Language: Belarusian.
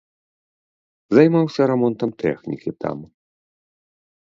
Займаўся рамонтам тэхнікі там.